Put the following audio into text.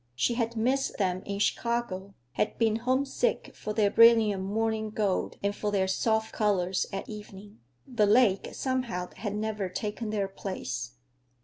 She had missed them in Chicago; had been homesick for their brilliant morning gold and for their soft colors at evening. The Lake, somehow, had never taken their place.